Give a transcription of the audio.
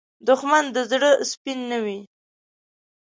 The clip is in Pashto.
دښمن د زړه سپین نه وي